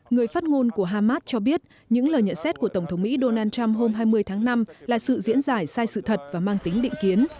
người phát ngôn của hamas cho biết những lời nhận xét của tổng thống mỹ donald trump hôm hai mươi tháng năm là sự diễn giải sai sự thật và mang tính định kiến